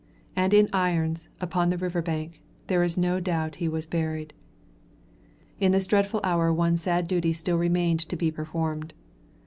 And in irons, upon the river bank, there is no doubt he was buried. In this dreadful hour one sad duty still remained to be performed.